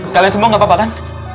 kalian semua gak apa apa kan